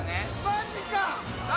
マジか！